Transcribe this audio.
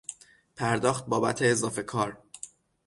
پرداخت بابت اضافه کار